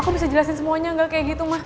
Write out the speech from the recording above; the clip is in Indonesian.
aku bisa jelasin semuanya gak kayak gitu mah